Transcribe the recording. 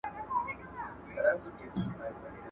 څوك به اوري كرامت د دروېشانو.